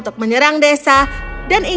dia menerima inhale lelaki yior